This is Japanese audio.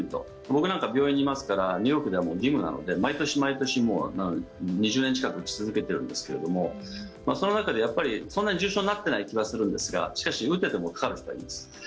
僕なんか病院にいますからニューヨークでは義務なので毎年毎年２０年近く打ち続けてるんですけれどもその中でやっぱりそんなに重症になってない気はするんですがしかし、打っててもかかる人はいます。